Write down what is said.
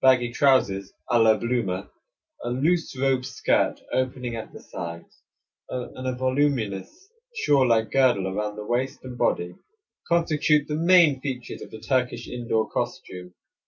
Baggy trousers a la Bloomer, a loose robe skirt opening at the sides, and a voluminous shawl like girdle around the waist and body, constitute the main features of the Turkish indoor costume.